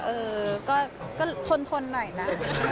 เออก็ทนหน่อยนะ